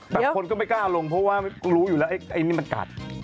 คนก็ไม่กล้าลงเพราะว่ารู้อยู่แล้วไอ้นี่มันกัด